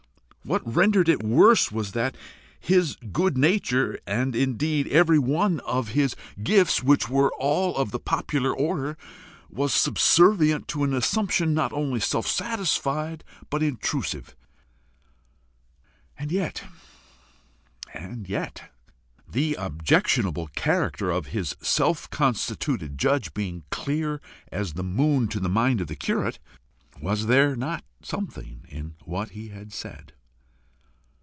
What rendered it worse was that his good nature and indeed every one of his gifts, which were all of the popular order was subservient to an assumption not only self satisfied but obtrusive! And yet and yet the objectionable character of his self constituted judge being clear as the moon to the mind of the curate, was there not something in what he had said?